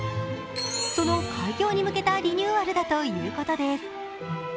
その開業に向けたリニューアルだということです。